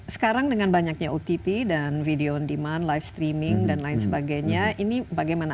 sekarang dengan banyaknya ott dan video on demand live streaming dan lain sebagainya ini bagaimana